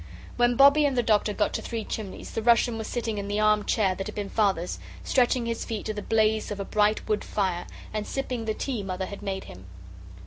When Bobbie and the Doctor got to Three Chimneys, the Russian was sitting in the arm chair that had been Father's, stretching his feet to the blaze of a bright wood fire, and sipping the tea Mother had made him.